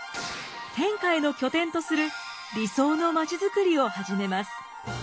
天下への拠点とする理想の街づくりを始めます。